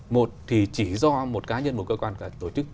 một thì chỉ do một cá nhân một cơ quan cả tổ chức